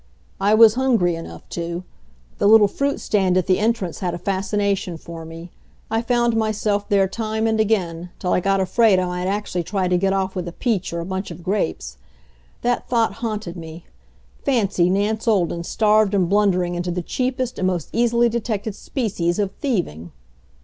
I was hungry enough to. The little fruit stand at the entrance had a fascination for me. I found myself there time and again, till I got afraid I might actually try to get of with a peach or a bunch of grapes. That thought haunted me. Fancy Nance Olden starved and blundering into the cheapest and most easily detected species of thieving!